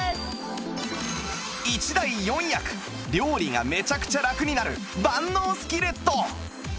１台４役料理がめちゃくちゃ楽になる万能スキレット